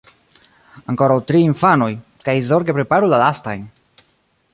Ankoraŭ tri, infanoj; kaj zorge preparu la lastajn.